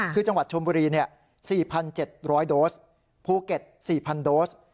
คือจังหวัดชมบุรี๔๗๐๐โดสภูเก็ต๔๐๐โดส